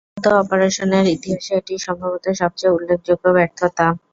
গুপ্ত অপারেশনের ইতিহাসে এটিই সম্ভবত সবচেয়ে উল্লেখযোগ্য ব্যর্থতা।